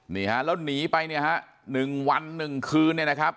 แล้วหนีไป๑วัน๑คืน